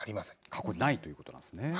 過去、ないということなんですね。